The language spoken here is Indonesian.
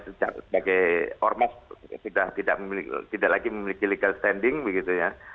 sebagai ormas sudah tidak lagi memiliki legal standing begitu ya